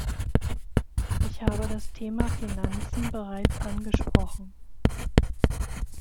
Ich habe das Thema Finanzen bereits angesprochen.